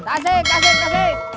kasik kasik kasik